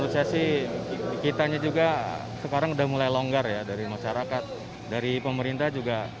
sesi kita juga sekarang udah mulai longgar ya dari masyarakat dari pemerintah juga